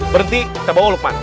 berhenti kita bawa lukman